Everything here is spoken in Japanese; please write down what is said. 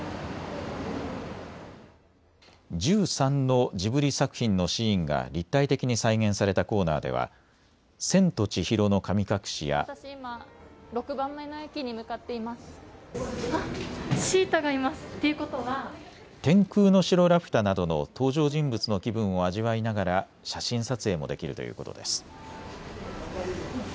１３のジブリ作品のシーンが立体的に再現されたコーナーでは千と千尋の神隠しや天空の城ラピュタなどの登場人物の気分を味わいながら写真撮影もできるということです。